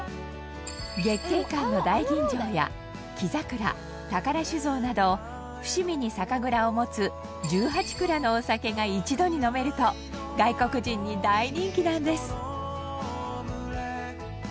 月桂冠の大吟醸や黄桜宝酒造など伏見に酒蔵を持つ１８蔵のお酒が一度に飲めると外国人に大人気なんです。